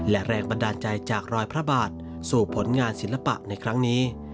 และแรงบันดาลใจจากรอยพระบาทสู่ผลงานศิลปะในครั้งนี้